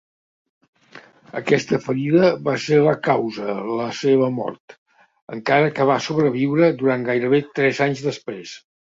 Aquesta ferida va ser la causa la seva mort, encara que va sobreviure durant gairebé tres anys després.